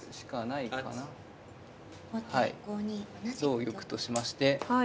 同玉としまして。